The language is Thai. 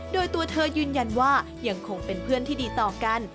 โดยตัวเธอยืนยันว่ายังคงเป็นเพื่อนที่ดีต่อกัน